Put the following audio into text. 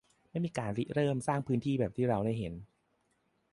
ไม่มีการริเริ่มสร้างพื้นที่แบบที่เราได้เห็น